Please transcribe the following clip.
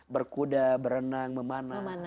berkuda berenang memanah